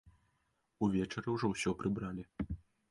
Увечары ўжо ўсё прыбралі.